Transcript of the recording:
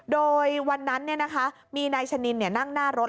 โดยวันนั้นมีนายชะนินนั่งหน้ารถ